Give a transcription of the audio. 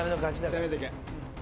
攻めてけ。